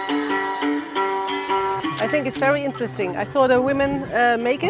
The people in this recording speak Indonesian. saya pikir ini sangat menarik saya melihat perempuan mereka membuatnya